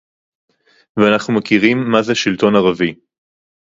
ואנחנו מכירים מה זה שלטון ערבי